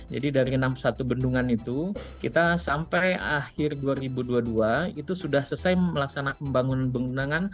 jadi dari enam puluh satu bendungan itu kita sampai akhir dua ribu dua puluh dua itu sudah selesai melaksanakan pembangunan